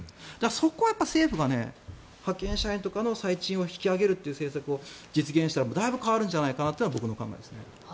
そこは政府が派遣社員とかの最低賃金を引き上げる政策をやったらだいぶ変わるんじゃないかなというのが僕の考えですね。